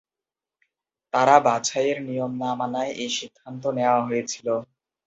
তারা বাছাইয়ের নিয়ম না মানায় এই সিদ্ধান্ত নেয়া হয়েছিল।